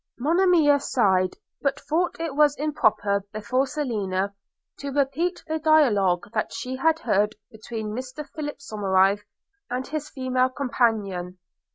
Monimia sighed, but thought it was improper, before Selina, to repeat the dialogue that she had heard between Mr Philip Somerive and his female companion.